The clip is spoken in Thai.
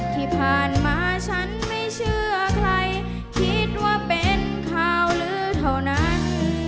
ที่ผ่านมาฉันไม่เชื่อใครคิดว่าเป็นข่าวลื้อเท่านั้น